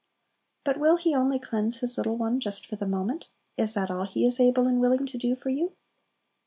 But will He only cleanse His little one just for the moment? is that all He is able and willing to do for you?